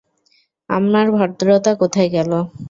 আমার ভদ্রতা কোথায় গেল?